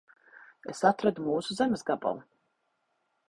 Es atradu mūsu zemes gabalu.